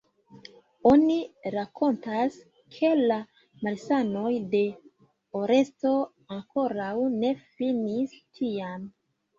Oni rakontas ke la malsanoj de Oresto ankoraŭ ne finis tiam.